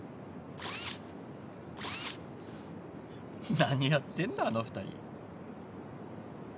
何やってんだあの２人。